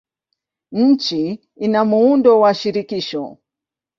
Nchi ina muundo wa shirikisho.